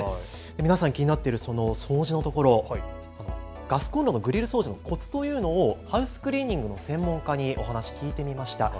皆さん、気になっている掃除のところ、ガスコンロのグリル掃除のコツというのをハウスクリーニングの専門家にお話、聞いてみました。